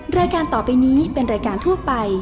รายการต่อไปนี้เป็นรายการทั่วไป